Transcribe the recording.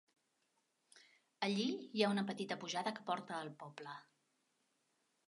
Allí hi ha una petita pujada que porta al poble.